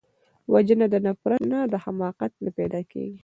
وژنه د نفرت نه، د حماقت نه پیدا کېږي